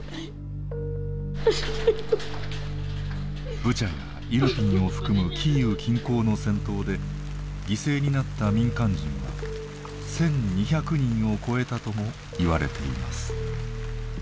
ブチャやイルピンを含むキーウ近郊の戦闘で犠牲になった民間人は１，２００人を超えたともいわれています。